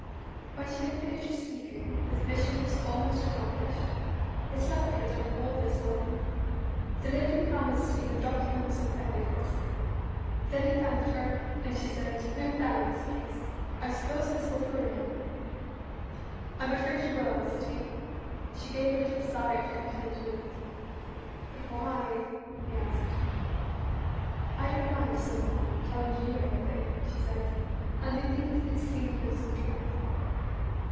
When she had finished speaking, his mission was almost accomplished. His luck had done all this for him. The lady promised even documents and evidence. Then he thanked her, and she said "No thanks, please. I suppose this will ruin him?" "I'm afraid it will," said he. She gave a little sigh of contentment. "But why ?" he asked. "I don't mind, somehow, telling you anything," she said, and indeed as it seemed with some truth.